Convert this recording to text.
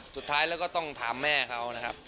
สุดท้ายแล้วก็ต้องถามแม่เขานะครับ